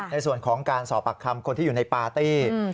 ในส่วนของการสอบปากคำคนที่อยู่ในปาร์ตี้